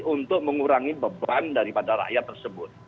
untuk mengurangi beban daripada rakyat tersebut